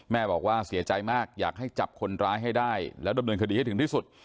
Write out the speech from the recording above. บอกว่าเสียใจมากอยากให้จับคนร้ายให้ได้แล้วดำเนินคดีให้ถึงที่สุด